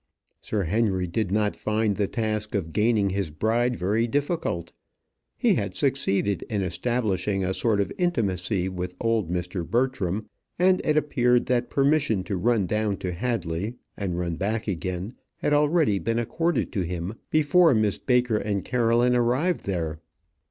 Sir Henry did not find the task of gaining his bride very difficult. He had succeeded in establishing a sort of intimacy with old Mr. Bertram, and it appeared that permission to run down to Hadley and run back again had already been accorded to him before Miss Baker and Caroline arrived there.